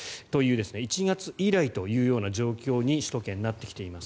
１月以来というような状況に首都圏、なってきています。